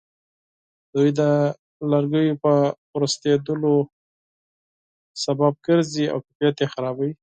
دوی د لرګیو د ورستېدلو سبب ګرځي او کیفیت یې خرابوي.